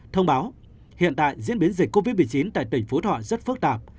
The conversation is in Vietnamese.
thông báo hiện tại diễn biến dịch covid một mươi chín tại tỉnh phú thọ rất phức tạp